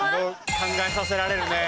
考えさせられるね。